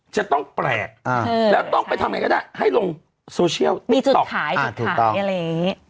จะต้องแปลกแล้วต้องไปทำไงก็ได้ให้ลงโซเชียลมีจุดตอกขายจุดขายอะไรอย่างนี้